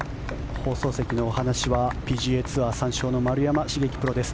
放送席のお話はＰＧＡツアー３勝の丸山茂樹プロです。